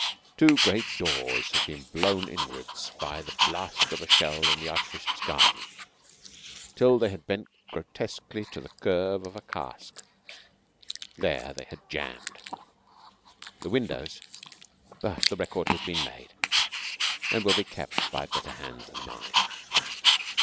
Two great doors had been blown inwards by the blast of a shell in the Archbishop's garden, till they had bent grotesquely to the curve of a cask. There they had jammed. The windows but the record has been made, and will be kept by better hands than mine.